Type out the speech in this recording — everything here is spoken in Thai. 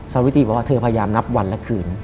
สาวิตรีบอกว่าเธอพยายามนับวันและคืน